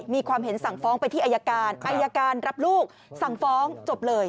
มีความเห็นสั่งฟ้องไปที่อายการอายการรับลูกสั่งฟ้องจบเลย